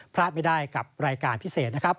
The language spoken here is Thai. พลาดไม่ได้กับรายการพิเศษนะครับ